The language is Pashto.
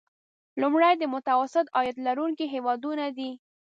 لومړی د متوسط عاید لرونکي هیوادونه دي.